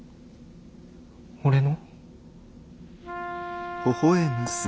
俺の？